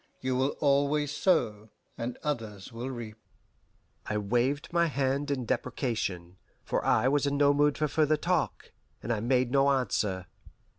You will always sow, and others will reap." I waved my hand in deprecation, for I was in no mood for further talk, and I made no answer.